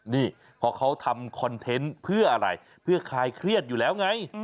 นี่พอเขาทำคอนเทนต์เพื่ออะไรเพื่อคลายเครียดอยู่แล้วไง